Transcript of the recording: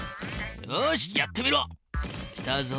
よしやってみろ！来たぞ。